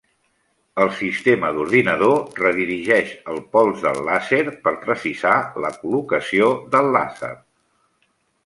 El sistema d'ordinador redirigeix el pols del làser per precisar la col·locació del làser.